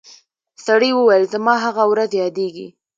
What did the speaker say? سړي وویل زما هغه ورځ یادیږي